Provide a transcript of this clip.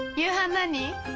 何？